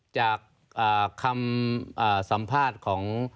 จากคำสัมภาษณ์ของ